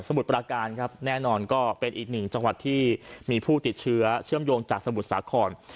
มุดประการครับแน่นอนก็เป็นอีกหนึ่งจังหวัดที่มีผู้ติดเชื้อเชื่อมโยงจากสมุทรสาคร